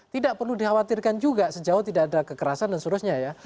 tidak perlu dikhawatirkan juga sejauh tidak ada kekerasan dan sebagainya ya